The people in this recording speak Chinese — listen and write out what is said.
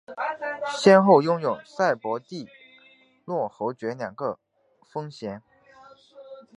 先后拥有萨博蒂诺侯爵两个封衔。